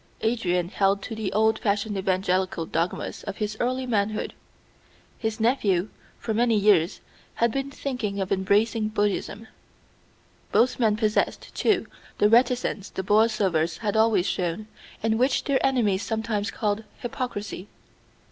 Adrian held to the old fashioned evangelical dogmas of his early manhood; his nephew for many years had been thinking of embracing Buddhism. Both men possessed, too, the reticence the Borlsovers had always shown, and which their enemies sometimes called hypocrisy.